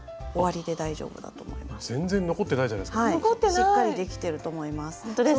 しっかりできてると思います。